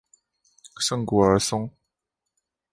圣古尔松。